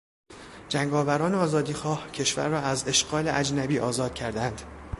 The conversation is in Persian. جنگاوران آزادیخواه کشور را از اشغال اجنبی آزاد کردند.